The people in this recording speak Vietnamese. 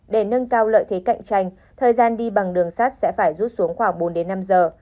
để nâng cao lợi thế cạnh tranh thời gian đi bằng đường sắt sẽ phải rút xuống khoảng bốn đến năm giờ